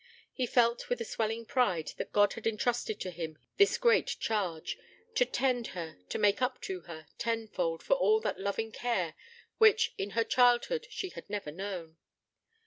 He felt with a swelling pride that God had entrusted to him this great charge to tend her; to make up to her, tenfold, for all that loving care, which, in her childhood, she had never known.